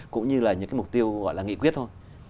cũng như là những cái mục tiêu gọi là nghị quyết thôi